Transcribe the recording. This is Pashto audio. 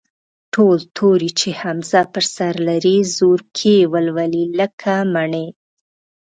ټول توري چې همزه پر سر لري، زورکی ولولئ، لکه: مٔنی.